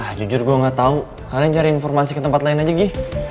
ah jujur gue gak tau kalian cari informasi ke tempat lain aja gi